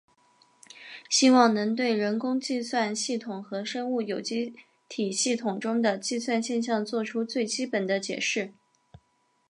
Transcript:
希望能对人工计算系统和生物有机体系统中的计算现象做出最基本的解释。